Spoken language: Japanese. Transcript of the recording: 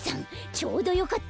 ちょうどよかった。